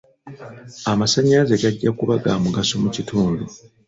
Amasannyalaze gajja kuba ga mugaso mu kitundu.